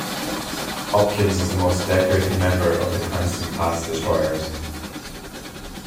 "Hopkins" is the most decorated member of the Clemson-class destroyers.